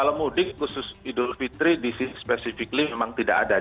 kalau mudik khusus idul fitri di spesifically memang tidak ada